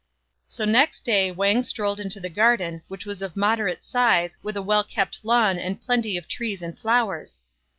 So next day Wang strolled into the garden, which was of moderate size, with a well kept lawn and plenty of trees and flowers.